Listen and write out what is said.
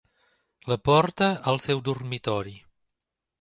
La porta al seu dormitori.